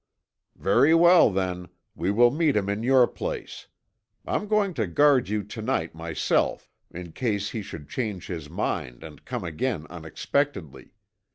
"Very well, then, we will meet him in your place. I'm going to guard you to night myself, in case he should change his mind and come again unexpectedly.